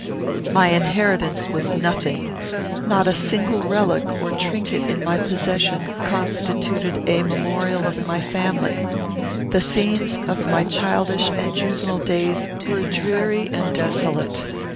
My inheritance was nothing. Not a single relic or trinket in my possession constituted a memorial of my family. The scenes of my childish and juvenile days were dreary and desolate.